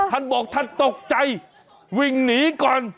ท่านบอกท่านตกใจวิ่งหนีก่อน